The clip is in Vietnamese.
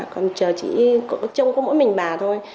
con chờ chị chồng có mỗi mình bà thôi